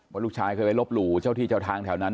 ลูกชายเคยไปลบหลู่เจ้าที่เจ้าทางแถวนั้น